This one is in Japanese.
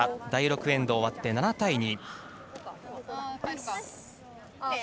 第６エンドが終わって７対２。